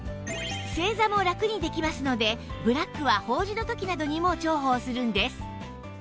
正座もラクにできますのでブラックは法事の時などにも重宝するんです